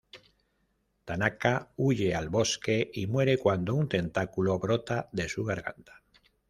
Tanaka huye al bosque y muere cuando un tentáculo brota de su garganta.